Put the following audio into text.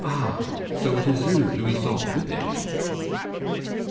Ah! So it is you, Louison. Good day."